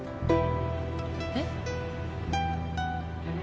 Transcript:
えっ？